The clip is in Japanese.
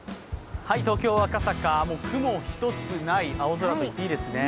東京・赤坂、雲一つない青空といっていいですね。